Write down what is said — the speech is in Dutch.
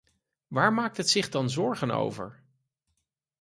Waar maakt het zich dan zorgen over?